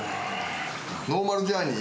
ノーマルジャーニー。